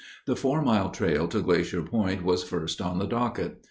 The Four Mile Trail to Glacier Point was first on the docket.